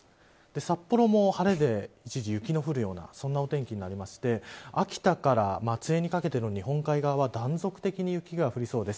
札幌も晴れて一時雪の降るようなそんなお天気になりまして秋田から松江にかけての日本海側は断続的に雪が降りそうです。